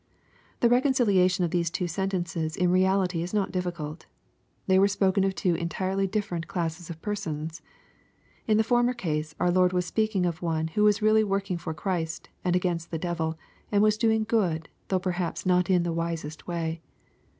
The reconciliation of the two sentences in reality is not difficult They were spoken of two entirely different classes of persons. In the former case, our Lord was speaking of one who was really work ing for Christ, and against the devil, and was doing good, though perhaps not in the wisest way.